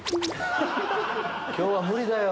今日は無理だよ！